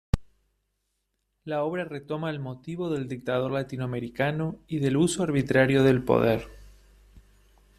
La obra retoma el motivo del Dictador latinoamericano y del uso arbitrario del poder.